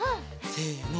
せの。